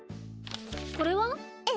これは？え？